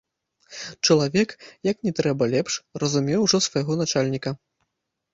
Чалавек, як не трэба лепш, разумеў ужо свайго начальніка.